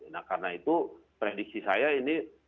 nah karena itu prediksi saya ini